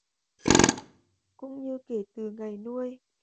cũng như kể từ ngày nuôi